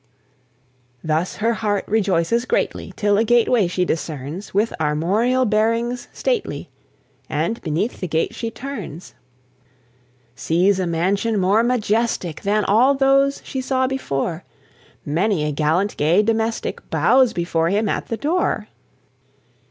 Thus her heart rejoices greatly Till a gateway she discerns With armorial bearings stately, And beneath the gate she turns; Sees a mansion more majestic Than all those she saw before; Many a gallant gay domestic Bows before him at the door.